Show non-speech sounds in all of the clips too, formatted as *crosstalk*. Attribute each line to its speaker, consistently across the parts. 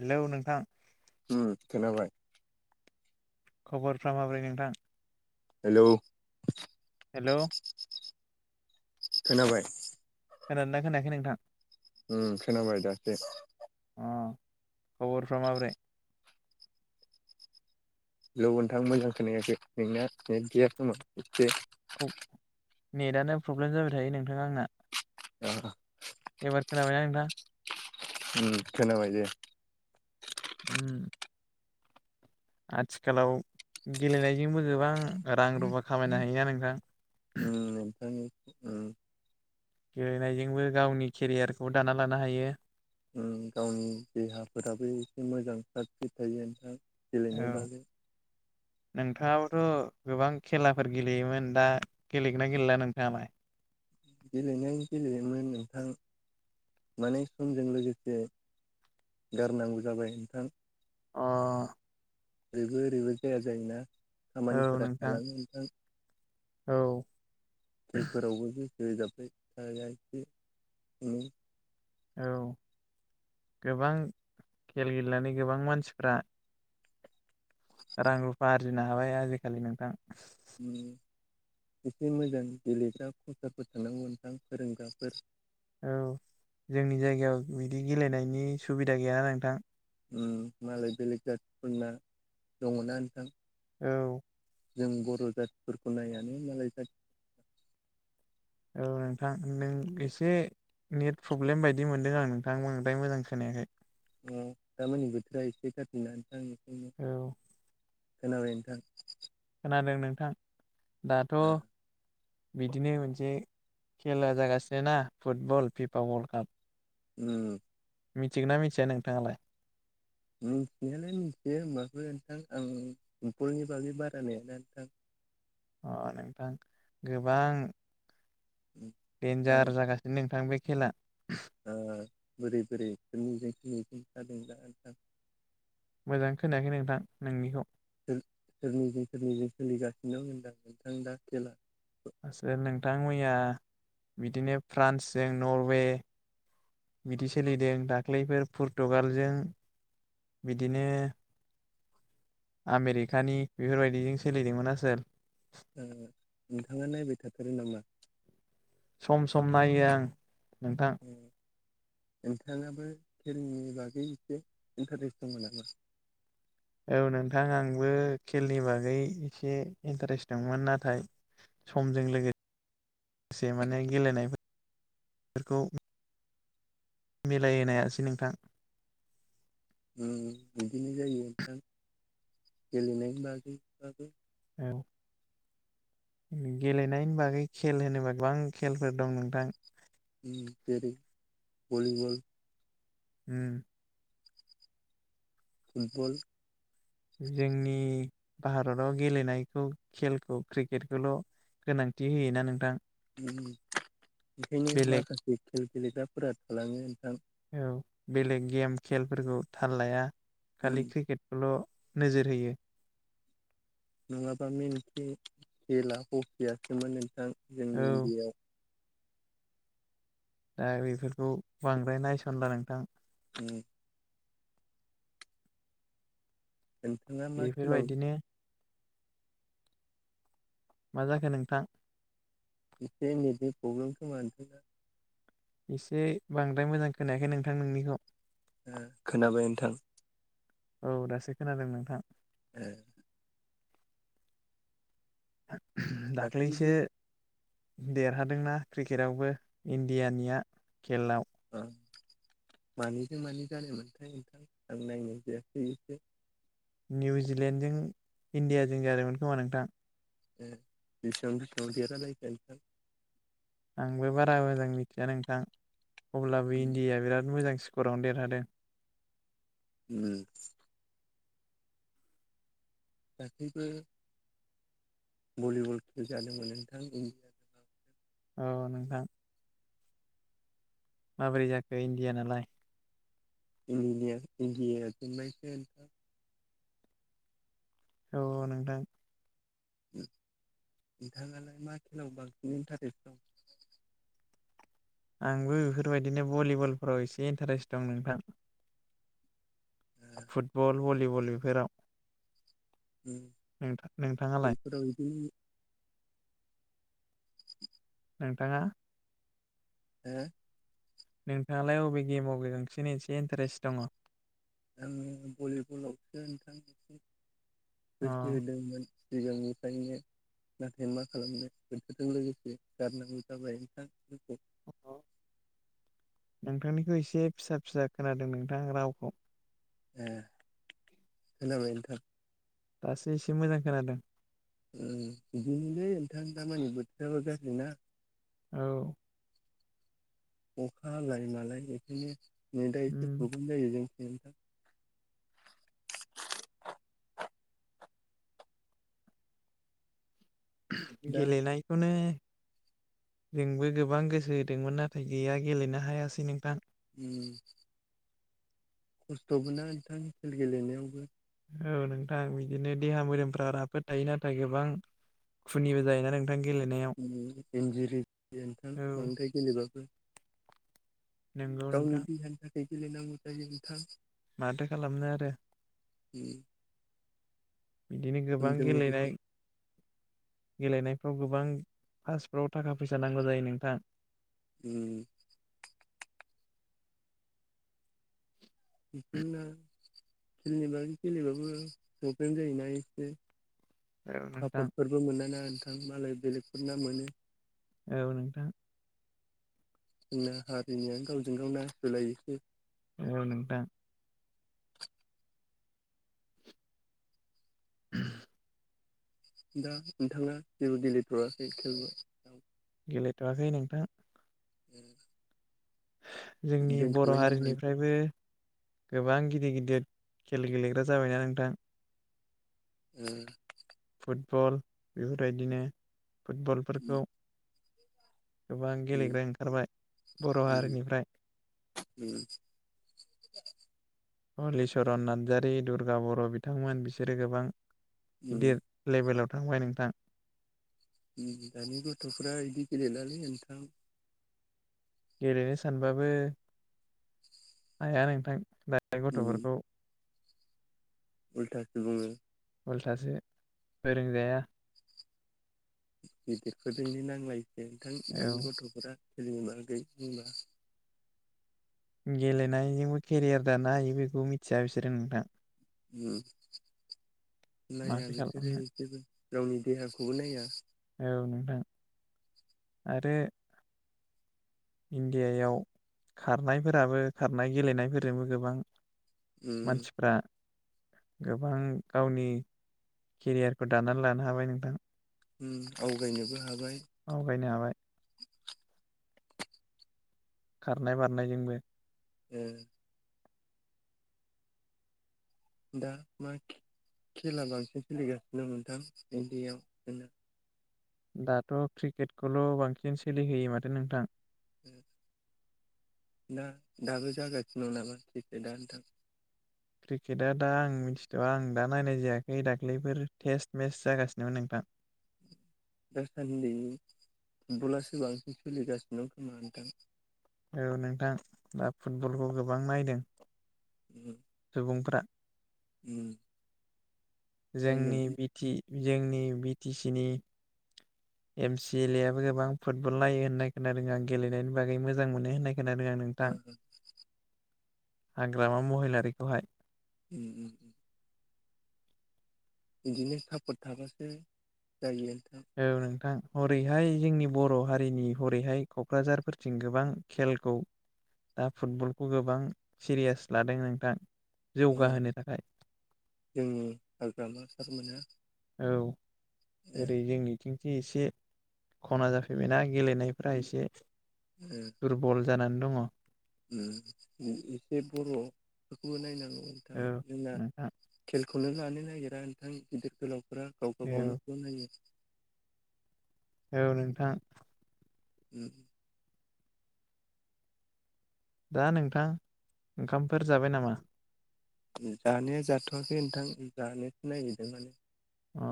Speaker 1: Hello नोंथां
Speaker 2: ओम खोनाबाय
Speaker 1: खबरफ्रा माबोरै नोंथां?
Speaker 2: हेलौ
Speaker 1: हेल'
Speaker 2: खोनाबाय
Speaker 1: खोनादोंना खोनायाखै नोंथां।
Speaker 2: उम खोनाबाय दासो
Speaker 1: अ खबरफ्रा माब्रै
Speaker 2: ' नोंथां मोजां खोनायाखै नोंना ने गैया खोममोन एसे
Speaker 1: नेटआनो प्रब्लेम जाबाय थायो नोंथां आंना
Speaker 2: अ *inaudible*
Speaker 1: एबार खोनाबायना नोंथां
Speaker 2: उ खोनाबाय दे
Speaker 1: उम आथिखालाव गेलेनायजोंबो गोबां रां रुफा खामायनो हायोना नोंथां
Speaker 2: उ
Speaker 1: गेलेनायजोंबो गावनि केरियारखौ दाना लानो हायो
Speaker 2: गावनि देहाफोराबो एसे मोजां सावस्रिनि थायो नोंथां गेलेनाय
Speaker 1: औ
Speaker 2: बादै
Speaker 1: नोंथाङाबोथ' गोबां खेलाफोर गेलेयोमोन दा गेलेगोनना गेलेला नोंथाङा मा
Speaker 2: गेलेनाय गेलेयोमोन नोंथां माने समजों लोगोसे गारनांगौ जाबाय नोंथां
Speaker 1: अ
Speaker 2: ओरैबो ओरैबो जाया जायोना
Speaker 1: औ
Speaker 2: खामानिफोरा
Speaker 1: नोंथां
Speaker 2: थालांडो
Speaker 1: औ
Speaker 2: खेलफोरावबो बे बे जाब जै *unintelligible*
Speaker 1: औ गोबां खेल गेलेनानै गोबां मानसिफ्रा रां रुफा आर्जिनो हाबाय आजिखालि नोंथां
Speaker 2: उ एसे मोजां गेलेग्रा कसारफोर थांनांगौ नोंथां फोरोंग्राफोर
Speaker 1: औ जोंनि जायगायाव बिदि गेलेनायनि सुबिदा गैयाना नोंथां
Speaker 2: मालाय बेलेग जाथिफोरना दङना नोंथां
Speaker 1: औ
Speaker 2: जों बर' जाथिफोरखौ नायानो मालाय जाथि
Speaker 1: औ नोंथां नों एसे नेट प्रब्लेम बायदि मोनदों आं नोंथां बांद्राय मोजां खोनायाखाय
Speaker 2: अ दामोननि बोथोरा एसे जाफिदों ना नोंथां थां आं बेखौनो
Speaker 1: औ
Speaker 2: खोनाबाय नोंथां
Speaker 1: खोनादों नोंथां दाथ'
Speaker 2: ओ
Speaker 1: बिदिनो मोनसे खेला जागासिनो ना फुटबल फिफा वर्ल्ड काप
Speaker 2: उ
Speaker 1: मिथिगोना मिथिया नोंथाङालाय
Speaker 2: मिथिनायालाय मिथियो होमबाबो नोंथां आं फुटबलनि बागै बारा मिथिया नोंथां
Speaker 1: अ नोंथां गोबां
Speaker 2: दा
Speaker 1: दडन्जार जागासिनो नोंथां बे खेला
Speaker 2: ओ दन्थ दोनजा *unintelligible*
Speaker 1: मोजां खोनायाखै नोंथां नोंनिखौ
Speaker 2: सोरनिजों सोरनिजोंं सोलिगासिनो होनदों नोंथां दा खेला
Speaker 1: आस नोंथां मैया बिदिनो फ्रान्सजों नरवे बिदि सोलिदों दाख्लैफोर पुरतुगालजों बिदिनो आमेरिकानि बेफोरबायदिजों सोलिदोंमोन आसोल
Speaker 2: नोंथाङा नायबाय थाथारो नामा
Speaker 1: सम सम नायो आं नोंथां
Speaker 2: नोंथाङाबो खेलनि बागै एसे इन्टारेस्ट दंमोन नामा
Speaker 1: औ नोंथां आंबो खेलनि बागै एसे इन्टारेस्ट दंमोन नाथाय समजों लोगोसे लोगोसे माने गेलेनायफोरखौ मिलायहोनो हायासै नोंथां
Speaker 2: उम बिदिनो जायो नोंथां गेलेनाय बागै बाबो
Speaker 1: औ गेलेनायनि बागै खेल होनोबा गोबां खेलफोर दं नोंथां
Speaker 2: जेरै भलिबल
Speaker 1: उम
Speaker 2: फुटबल
Speaker 1: जोंनि भारताव गेलेनायखौ खेलखौ क्रिकेटखौल' गोनांथि होयोना नोंथां
Speaker 2: उम ओंखायनो
Speaker 1: बेलेग
Speaker 2: माखासे खेल गेलेग्राफोरा थालाङो नोंथां
Speaker 1: औ बेलेग गेम खेलफोरखौ थाल लाया
Speaker 2: उम
Speaker 1: खालि क्रिकेटखौल' नोजोर होयो
Speaker 2: नङाबा मेन खे खेला हकियासोमोन नोंथां
Speaker 1: औ
Speaker 2: जोंनि इण्डियाायाव
Speaker 1: दा बेफोरखौ बांद्राय नायसनला नोंथां
Speaker 2: उम नोंथाङा मा खेलाव
Speaker 1: बेफोरबायदिनो मा जाखो नोंथां
Speaker 2: एसे नेटनि प्रब्लेम खोमा नोंथांना
Speaker 1: एसे बांद्राय मोजां खोनायाखै नोंथां नोंनिखौ
Speaker 2: ओ खोनाबाय नोंथां
Speaker 1: औ दासो खोनादों नोंथां
Speaker 2: ए
Speaker 1: दाख्लैसो
Speaker 2: गासैबो
Speaker 1: देरहादोंना क्रिकेटआवबो इण्डियानिया खेलाव
Speaker 2: औ मानिजों मानि जानाय मोनथाय नोंथां आं नायनाय जायासै एसे
Speaker 1: निउजिलेण्डजों इण्डियाजों जादोंमोन खोमा नोंथां
Speaker 2: ए ब एसेबां बेसेबांआव देरहालायखो नोंथां
Speaker 1: आंबो बारा मोजां मिथिया नोंथां अब्लाबो इण्डियााया बिराद मोजांसिन स्करावनो देरहादों
Speaker 2: उम दाख्लैबो भलिबल खेल जादोंमोन नोंथां इण्डिया
Speaker 1: औ नोंथां माबोरै जाखो इण्डिया नालाय
Speaker 2: *unintelligible* इण्डियाया जेनबायसो नोंथां
Speaker 1: औ नोंथां
Speaker 2: नोंथाङालाय मा खेलायाव बांसिन इन्टारेस्ट दं
Speaker 1: आंबो बेफोरबायदिनो भलिबलफोराव एसे इन्टारेस्ट दं नोंथां फुटबल भलिबल बेफोराव
Speaker 2: उम
Speaker 1: नोंथां नोंथाङालाय
Speaker 2: खेलफोराव बिदिनो
Speaker 1: नोंथाङा
Speaker 2: हो
Speaker 1: नोंथाङालाय अबे गेमावबो बांसिन एसे इन्टारेस्ट दङ
Speaker 2: आङो भलिबलावसो नोंथां एसे गोसो
Speaker 1: अ
Speaker 2: होदोंमोन सिगांनिफ्रायनो नाथाय मा खालामनो बोथोरजों लोगोसे गारनांगौ जाबाय नोंथां बेफोरखौ
Speaker 1: *unintelligible* नोंथांनिखौ एसे फिसा फिसा खोनादों नोंथां रावखौ
Speaker 2: ए खोनाबाय नोंथां
Speaker 1: दासो एसे मोजां खोनादों
Speaker 2: बिदिनोलै नोंथां दामानि बोथोराबो गाज्रि ना
Speaker 1: औ
Speaker 2: अखा जायो नालाय बेखायनो नै दा एसे
Speaker 1: उम
Speaker 2: प्रब्लेम जायो जों बेनोथ दा
Speaker 1: गेलेनायखौनो जोंबो गोबां गोसो होदोंमोन नाथाय गैया गेलेनो हायासै नोंथां
Speaker 2: उम खस्थ'बो ना नोंथांनि खेल गेलेनायावबो
Speaker 1: औ नोंथां बिदिनो देहा मोदोमफ्रा राफोद थायो नाथाय गोबां खुनिबो जायोना नोंथां गेलेनायाव
Speaker 2: इन्जुरिन्थां
Speaker 1: औ
Speaker 2: बांद्राय गेलेबाबो
Speaker 1: नंगौ
Speaker 2: गावनि
Speaker 1: नोंथां
Speaker 2: देहानि थाखाय गेले नांगौ जायो नोंथां
Speaker 1: माथो खालामनो आरो
Speaker 2: उम
Speaker 1: बिदिनो गोबां
Speaker 2: समजों
Speaker 1: गेलेनाय
Speaker 2: लोगोसे
Speaker 1: गेलेनाय फाव गोबां पासफ्राव थाखा फैसा नांगौ जायो नोंथां
Speaker 2: उम बिदिनो गेलेबाबो गेलेबाबो प्रब्लेम जायोना एसे
Speaker 1: औ नोंथां
Speaker 2: सापर्टफोरबो मोनाना नोंथां मालाय बेलेगफोर ना मोनो
Speaker 1: औ नोंथां
Speaker 2: जोंना हारिनियानो गावजों गाव नासयलायोसो
Speaker 1: औ नोंथां *unintelligible*
Speaker 2: दा नोंथांङा जेबो गेलेथखै खेलबो
Speaker 1: गेलेथ'वाखै नोंथां
Speaker 2: *unintelligible*
Speaker 1: जोंनि बर'
Speaker 2: दोनथ'बाय नामा
Speaker 1: हारिनिफ्रायबो गोबां गिदिर गिदिर खेल गेलेग्रा जाबायना नोंथां
Speaker 2: उम
Speaker 1: फुटबल बेफोरबायदिनो
Speaker 2: उम
Speaker 1: फुटबलफोरखौ गोबां
Speaker 2: उम
Speaker 1: गेलेग्रा ओंखारबाय बर' हारिनिफ्राय
Speaker 2: उम
Speaker 1: हलिचरन नार्जारि दुर्गा बर' बिथांमोन बिसोरो गोबां गिदिर
Speaker 2: उम
Speaker 1: लेभेलाव थांबाय नोंथां
Speaker 2: दानि गथ'फ्रा बिदि गेलेलालै नोंथां
Speaker 1: गेलेनो सानबाबो हाया नोंथां दा गथ'फोरखौ
Speaker 2: उल्टा बुंङो
Speaker 1: उल्थासो फोरों जाया
Speaker 2: गिदिरफोरजोंनो नांलायसै नोंथां दानि
Speaker 1: औ
Speaker 2: गथ'फोरा *unintelligible*
Speaker 1: गेलेनायजोंबो केरियार दानो हायो बेखौ मिथिया बिसोरो नोंथां
Speaker 2: नाया
Speaker 1: माथो
Speaker 2: बिसोरो
Speaker 1: खालामनो
Speaker 2: जेबो गावनि देहाखौबो नाया
Speaker 1: औ नोंथां आरो इन्डियायाव खारनायफोराबो खारनाय गेलेनायफोरजोंबो गोबां।
Speaker 2: उम
Speaker 1: मानसिफ्रा गोबां गावनि केरियारखौ दानानै लानो हाबाय नोंथां।
Speaker 2: आवगायनोबो हागोन।
Speaker 1: आवगायनो हाबाय खारनाय बारनायजोंबो
Speaker 2: ओ दा मागि *unintelligible* खेला बांसिन सोलिगासिनो नोंथां इण्डिआव बेनो
Speaker 1: दाथ' क्रिकेटखौल' बांसिन सोलिहोयो माथो नोंथां
Speaker 2: उम दा दाबो जागासिनो दं नामा क्रिकेट दा नोंथां
Speaker 1: क्रिकेटआ दा आं मिथिया आं दा नायनाय जायाखै दाख्लैफोर टेस्ट मेच जागासिनोमोन नोंथां *inaudible*
Speaker 2: दासान्दि फुटबलासो बांसिन सोलिगासिनो दं खोमा नोंथां
Speaker 1: औ नोंथां दा फुटबलखौ गोबां नायदों
Speaker 2: उम
Speaker 1: सुबुंफ्रा
Speaker 2: उम नायनो
Speaker 1: जोंनि जोंनि बिटि बि टि सि नि एम सि एल ए आबो गोबां फुटबल नायो होननाय खोनादों आं गेलेनायनि बागै मोजां मोनो होननाय खोनादों आं
Speaker 2: ओ
Speaker 1: नोंथां हाग्रामा महिलारिखौहाय
Speaker 2: उम उम उम बिदिनो सापर्ट थाबासो जायो
Speaker 1: औ नोंथां हरैहाय जोंनि बर' हारिनि हरैहाय क'क्राझारफोरथिं गोबां खेलखौ दा फुटबलखौ गोबां सिरियास लादों नोंथां
Speaker 2: ओं ओं
Speaker 1: जौगाहोनो थाखाय
Speaker 2: जोंनि हाग्रामा सारमोना
Speaker 1: औ
Speaker 2: ओ
Speaker 1: ओरै जोंनिथिं इ एसे खना जाफैबायना गेलेनायफ्रा एसे
Speaker 2: ओ
Speaker 1: दुरबल जानानै दङ
Speaker 2: उम बिदि *unintelligible* एसे बर'फोरखौबो नायनांग। नोंथां जोंना
Speaker 1: नोंथां
Speaker 2: खेलखौनो लानो नागिरा नोंथां गिदिर गोलाव फ्रा गावबा
Speaker 1: औ
Speaker 2: गावनिखौल' नायो।
Speaker 1: औ नोंथां
Speaker 2: उम
Speaker 1: दा नोंथां ओंखामफोर जाबाय नामा?
Speaker 2: जानाया जाथ'वाखै नोंथां जानोसो नागिरदों माने
Speaker 1: अ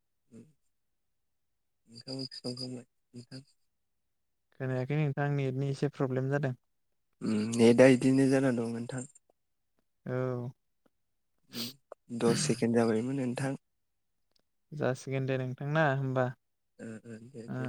Speaker 2: *unintelligible*
Speaker 1: खोनायाखै नोंथां नेटनि एसे प्रब्लेम जादों
Speaker 2: नेटा बिदिनो जाना दं नोंथां
Speaker 1: औ
Speaker 2: दस सेकेन्ड जाबायमोन नोंथां
Speaker 1: जासिगोन दे नोंथांना होमबा
Speaker 2: जागोन दे दे
Speaker 1: ओ